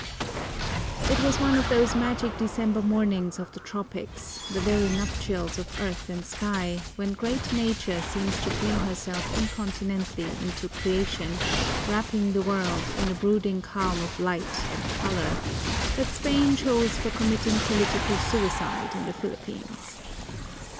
It was one of those magic December mornings of the tropics the very nuptials of earth and sky, when great Nature seems to fling herself incontinently into creation, wrapping the world in a brooding calm of light and color, that Spain chose for committing political suicide in the Philippines.